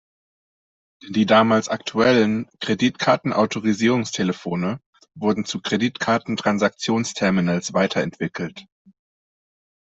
Denn die damals aktuellen Kreditkarten-Autorisierungstelefone wurden zu Kreditkarten-Transaktionsterminals weiterentwickelt.